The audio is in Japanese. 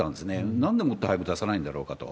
なんでもっと早く出さないんだろうかと。